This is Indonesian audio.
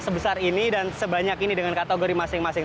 sebesar ini dan sebanyak ini dengan kategori masing masing